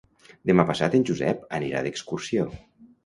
Demà passat en Josep anirà d'excursió.